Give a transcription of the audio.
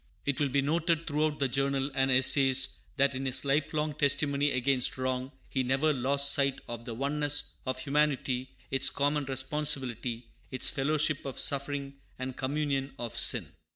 It will be noted throughout the Journal and essays that in his lifelong testimony against wrong he never lost sight of the oneness of humanity, its common responsibility, its fellowship of suffering and communion of sin.